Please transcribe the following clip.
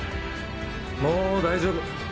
もう大丈夫。